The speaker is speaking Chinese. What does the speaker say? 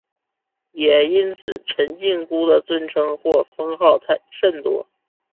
也因此陈靖姑的尊称或封号甚多。